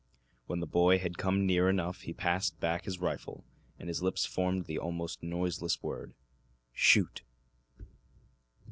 When the boy had come near enough he passed back his rifle, and his lips formed the almost noiseless word, "Shoot!"